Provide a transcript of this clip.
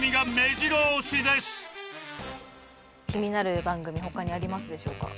気になる番組他にありますでしょうか。